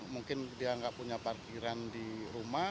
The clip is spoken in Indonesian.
mungkin dia nggak punya parkiran di rumah